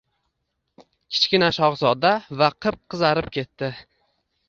Kichkinashahzoda va qip-qizarib ketdi.